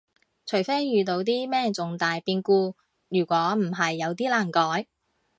除非遇到啲咩重大變故，如果唔係有啲難改